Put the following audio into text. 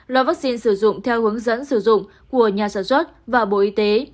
lò vaccine sử dụng theo hướng dẫn sử dụng của nhà sản xuất và bộ y tế